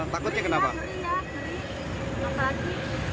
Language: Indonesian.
kalau mau motor ada anak anak yang jadi